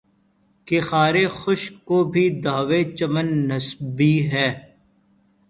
کہ خارِ خشک کو بھی دعویِ چمن نسبی ہے